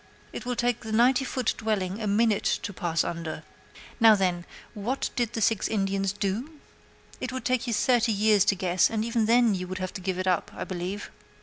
It will take the ninety foot dwelling a minute to pass under. Now, then, what did the six Indians do? It would take you thirty years to guess, and even then you would have to give it up, I believe.